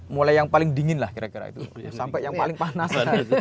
mulai yang paling dingin lah kira kira itu sampai yang paling panas